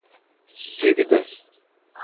dívida